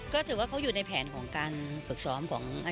ก็ถือว่าเขาอยู่ในแผนของการฝึกซ้อมของ